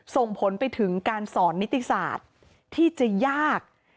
ส่งผลไปถึงการสอนนิติศาสตร์ที่จะยาก